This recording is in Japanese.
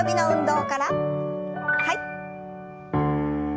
はい。